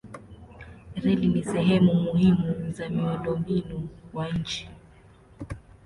Reli ni sehemu muhimu za miundombinu wa nchi.